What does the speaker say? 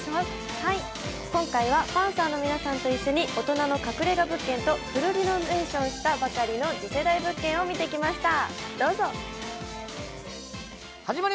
今回はパンサーの皆さんと一緒に大人の隠れ家物件とフルリノベーションしたばかりの物件に行ってきました。